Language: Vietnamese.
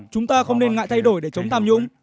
chúng ta không nên ngại thay đổi để chống tham nhũng